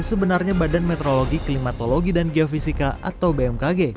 sebenarnya badan meteorologi klimatologi dan geofisika atau bmkg